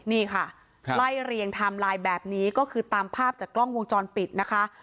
นี่ค่ะไล่เรียงไทม์ไลน์แบบนี้ก็คือตามภาพจากกล้องวงจรปิดนะคะ